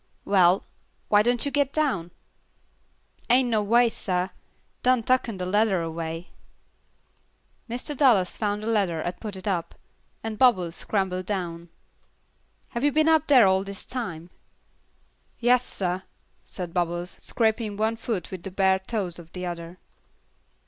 "Well, why don't you get down?" "Ain't no way, sah; done tucken de ladder away." Mr. Dallas found the ladder and put it up, and Bubbles scrambled down. "Have you been up there all this time?" "Yas, sah," said Bubbles, scraping one foot with the bare toes of the other.